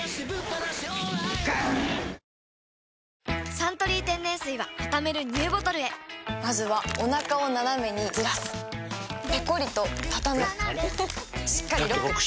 「サントリー天然水」はたためるＮＥＷボトルへまずはおなかをナナメにずらすペコリ！とたたむしっかりロック！